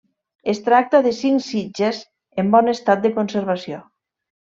Es tracta de cinc sitges en bon estat de conservació.